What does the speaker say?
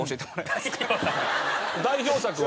代表作は。